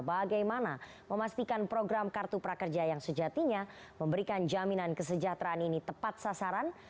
bagaimana memastikan program kartu prakerja yang sejatinya memberikan jaminan kesejahteraan ini tepat sasaran